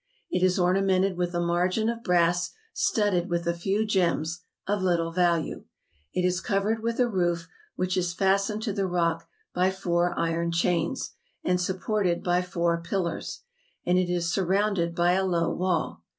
It is ornamented with a margin of brass, studded with a few gems, of little value; it is covered with a roof, which is fastened to the rock by four iron chains, and supported by four pillars ; and it is surrounded by a low wall.